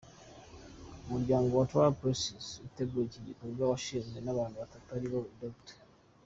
Umuryango Trans Poesis utegura iki gikorwa washinzwe n’abantu batatu aribo Dr.